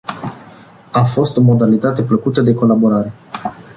A fost o modalitate plăcută de colaborare.